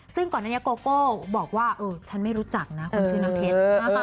ซึ่งก่อนหน้านี้โกโก้บอกว่าฉันไม่รู้จักนะคนชื่อน้ำเพชร